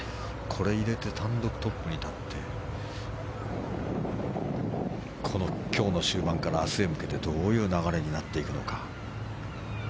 これ入れて単独トップに立ってこの今日の終盤から明日へ向けてどういう流れになっていくのか。